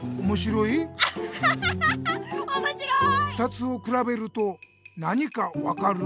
２つをくらべると何か分かる？